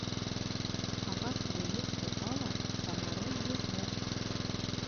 Ағас бейек булһа ла, тамыры ерҙә.